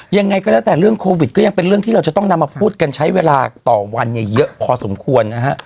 ยังไงก็แล้วแต่เรื่องโควิดก็ยังเป็นเรื่องที่เราจะต้องนำมาพูดกันใช้เวลาต่อวันเนี่ยเยอะพอสมควรนะฮะ